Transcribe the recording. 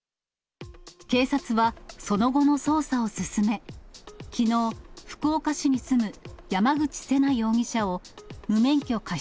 警察は、その後の捜査を進め、きのう、福岡市に住む山口聖那容疑者を無免許過失